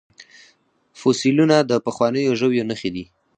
فوسیلیونه د پخوانیو ژویو نښې دي